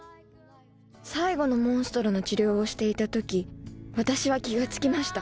最後のモンストロの治療をしていた時私は気が付きました